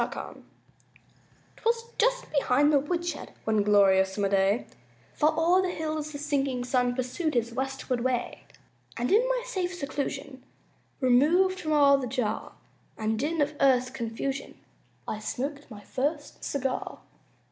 BURDETTE 'Twas just behind the woodshed, One glorious summer day, Far o'er the hills the sinking sun Pursued his westward way; And in my safe seclusion Removed from all the jar And din of earth's confusion I smoked my first cigar.